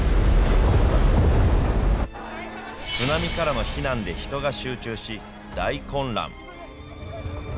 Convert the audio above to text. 津波からの避難で人が集中し、大混乱。